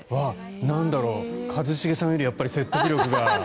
なんだろう、やっぱり一茂さんより説得力が。